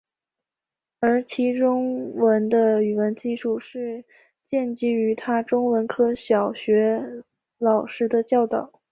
而其中文的语文基础是建基于他中文科小学老师的教导。